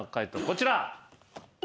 こちら。